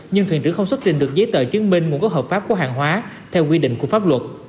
nhưng thuyền trưởng không xuất trình được giấy tờ chứng minh nguồn gốc hợp pháp của hàng hóa theo quy định của pháp luật